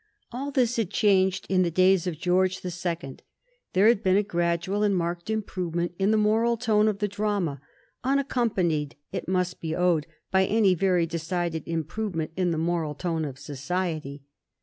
All this had changed in the days of George the Second. There had been a gradual and marked improvement in the moral tone of the drama, unaccompanied, it must be owned, by any very decided improvement in the moral tone of society.